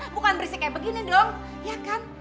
bukan berisi kayak begini dong ya kan